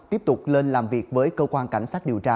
tiếp tục lên làm việc với cơ quan cảnh sát điều tra